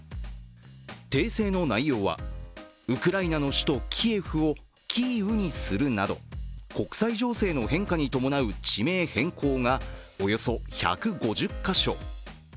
訂正の内容は、ウクライナの首都キエフをキーウにするなど国際情勢の変化に伴う地名変更がおよそ１５０か所。